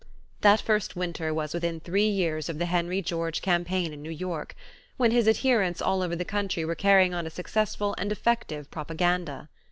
That first winter was within three years of the Henry George campaign in New York, when his adherents all over the country were carrying on a successful and effective propaganda.